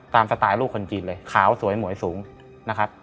สไตล์ลูกคนจีนเลยขาวสวยหมวยสูงนะครับ